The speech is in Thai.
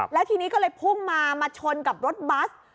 แล้วทีนี้ก็เลยพุ่งมามาชนกับรถบัส